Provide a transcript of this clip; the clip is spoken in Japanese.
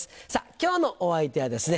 今日のお相手はですね